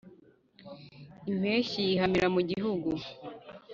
impeshyi yihamira mu gihugu